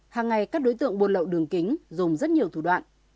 hàng ngày các đối tượng buôn lậu đường kính dùng rất nhiều thủ đoạn